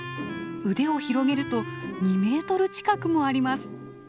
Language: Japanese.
腕を広げると２メートル近くもあります。